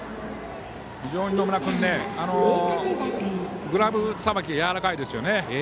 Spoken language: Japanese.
非常に野村君はグラブさばきがやわらかいですね。